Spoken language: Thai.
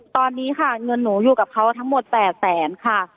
ตอนนี้ค่ะเงินหนูอยู่กับเขาทั้งหมด๘แสนค่ะ